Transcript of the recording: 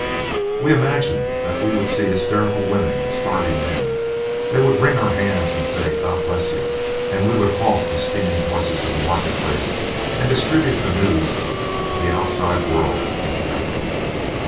We imagined that we would see hysterical women and starving men. They would wring our hands, and say, "God bless you," and we would halt our steaming horses in the market place, and distribute the news of the outside world, and tobacco.